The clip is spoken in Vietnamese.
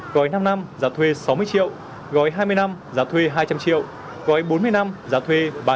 gói năm năm giả thuê sáu mươi triệu gói hai mươi năm giả thuê hai trăm linh triệu gói bốn mươi năm giả thuê sáu mươi triệu